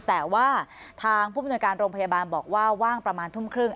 แต่ว่าทางผู้มนวยการโรงพยาบาลบอกว่าว่างประมาณทุ่มครึ่ง